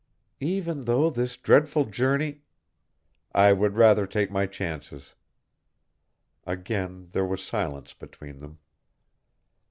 "Even though this dreadful journey " "I would rather take my chances." Again there was silence between them.